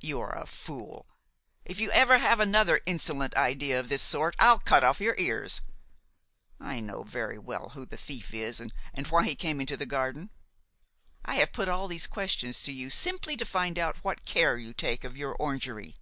You are a fool; if you ever have another insolent idea of this sort I'll cut off your ears. I know very well who the thief is and why he came into the garden. I have put all these questions to you simply to find out what care you take of your orangery.